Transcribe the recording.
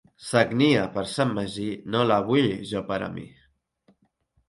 Sagnia per Sant Magí no la vull jo per a mi.